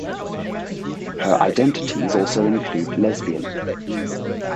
Her identities also include lesbian.